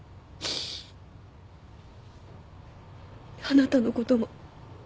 あなたのことも。